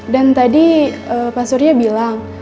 dan tadi pak surya bilang